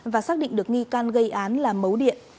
và xác định được nghi can gây án là mấu điện